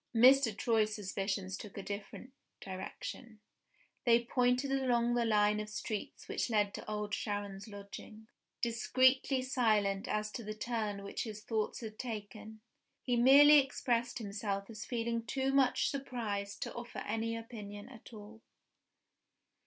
Mr. Troy's suspicions took a different direction: they pointed along the line of streets which led to Old Sharon's lodgings. Discreetly silent as to the turn which his thoughts had taken, he merely expressed himself as feeling too much surprised to offer any opinion at all.